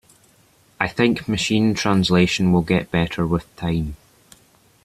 I think Machine Translation will get better with time.